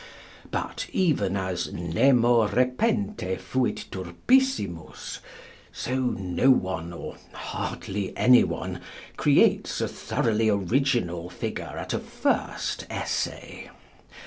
But, even as "nemo repente fuit turpissimus," so no one, or hardly any one, creates a thoroughly original figure at a first essay.